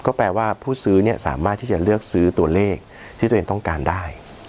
ก็แปลว่าผู้ซื้อเนี่ยสามารถที่จะเลือกซื้อตัวเลขที่ตัวเองต้องการได้